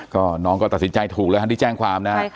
ก็น้องก็ตัดสินใจถูกเลยฮะที่แจ้งความนะฮะ